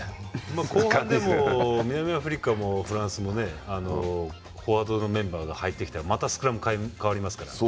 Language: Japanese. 後半南アフリカもフランスもフォワードのメンバーが入ってきてまたスクラム変わりますから。